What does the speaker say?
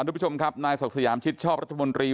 ทุกผู้ชมครับนายศักดิ์สยามชิดชอบรัฐมนตรี